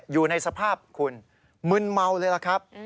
อยู่ในสภาพคุณมึนเมาเลยล่ะครับ